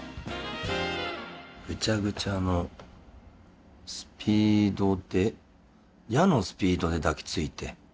「グチャグチャのスピードでャのスピードで抱きついて」